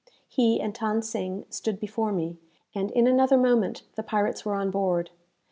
He and Than Sing stood before me, and in another moment the pirates were on board.